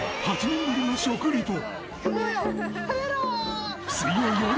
８年ぶりの食リポ！